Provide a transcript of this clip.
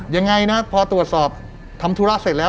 ยังไงนะพอตรวจสอบทำธุระเสร็จแล้ว